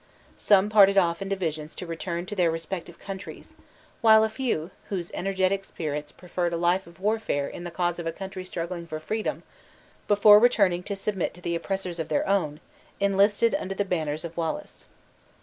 Some parted off in divisions to return to their respective countries, while a few, whose energetic spirits preferred a life of warfare in the cause of a country struggling for freedom, before returning to submit to the oppressors of their own, enlisted under the banners of Wallace.